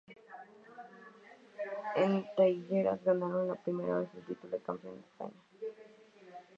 En trainerillas ganaron por primera vez el título de campeón de España.